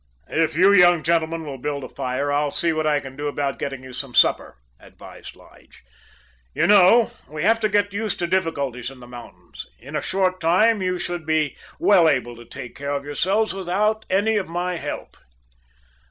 "If you young gentlemen will build a fire, I'll see what I can do about getting you some supper," advised Lige. "You know, we have to get used to difficulties in the mountains. In a short time you should be well able to take care of yourselves without any of my help."